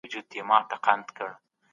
د کورنۍ خوښي په ساده ګۍ کې ده.